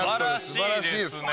素晴らしいですね